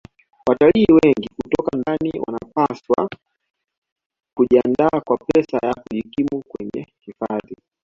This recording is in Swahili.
Watalii wengi kutoka ndani wanapaswa kujiandaa kwa pesa ya kujikimu kwenye hifadhi